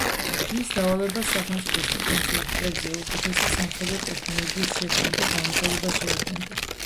მის დავალებას სახელმწიფოს პოტენციურ მტრებზე უკეთესი სამხედრო ტექნოლოგიის შექმნა და განვითარება შეადგენდა.